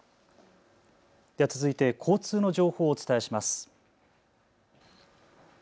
では続いて交通の情報をお伝えします。